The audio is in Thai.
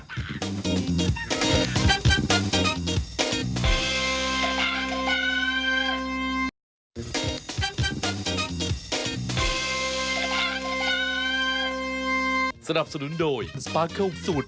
อ่ะกลับมากัน